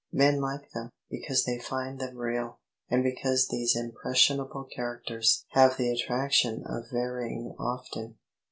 Men like them, because they find them real, and because these impressionable characters have the attraction of varying often.